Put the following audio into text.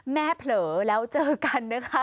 เผลอแล้วเจอกันนะคะ